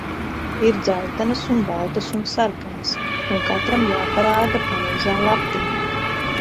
Ir dzeltenas un baltas un sarkanas. Un katram jāparāda pareizā lapiņa.